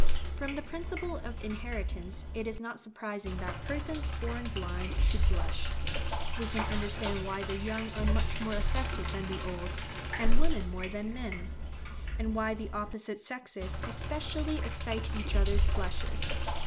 From the principle of inheritance it is not surprising that persons born blind should blush. We can understand why the young are much more affected than the old, and women more than men; and why the opposite sexes especially excite each other's blushes.